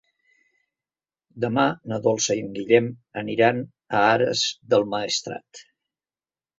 Demà na Dolça i en Guillem aniran a Ares del Maestrat.